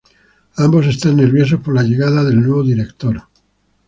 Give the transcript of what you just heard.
Ambos están nerviosos por la llegada del nuevo director.